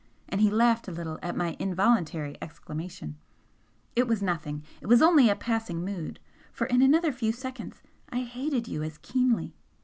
and he laughed a little at my involuntary exclamation "it was nothing it was only a passing mood, for in another few seconds I hated you as keenly!